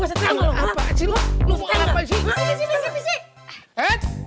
mau setel gak lu apaan sih lu lu mau ngapa sih